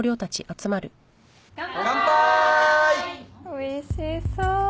おいしそう。